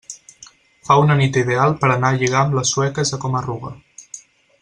Fa una nit ideal per anar a lligar amb les sueques a Coma-ruga.